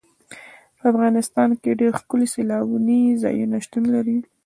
په افغانستان کې ډېر ښکلي سیلاني ځایونه شتون لري.